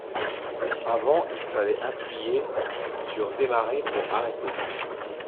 Avant il fallait appuyer sur démarrer pour arrêter.